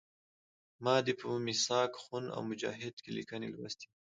ما دې په میثاق خون او مجاهد کې لیکنې لوستي دي.